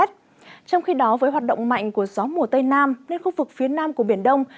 trong khi đó với hoạt động mạnh của gió mùa tây nam nên khu vực phía nam của biển đông